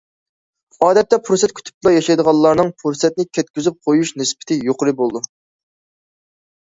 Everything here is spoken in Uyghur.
ئادەتتە پۇرسەت كۈتۈپلا ياشايدىغانلارنىڭ پۇرسەتنى كەتكۈزۈپ قويۇش نىسبىتى يۇقىرى بولىدۇ.